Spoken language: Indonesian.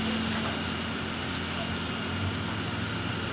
saya memetikkan m audi rs tujuh ratus tiga puluh bisnis